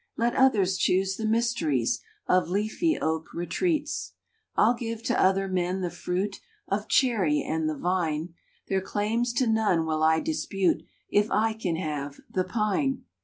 Let others choose the mysteries Of leafy oak retreats. I ll give to other men the fruit Of cherry and the vine. Their claims to none will I dispute If I can have the pine.